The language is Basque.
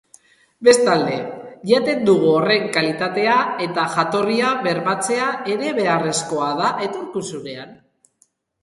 Bestalde, jaten dugun horren kalitatea eta jatorria bermatzea ere beharrezkoa da etorkizunean.